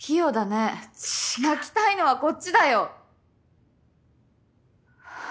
泣きたいのはこっちだよ。